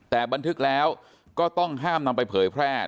แต่บันทึกแล้วก็ต้องห้ามนำไปเผยแพร่